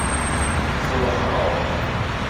Sowas aber auch!